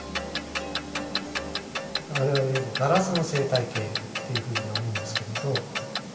我々よくガラスの生態系っていうふうに呼ぶんですけれど。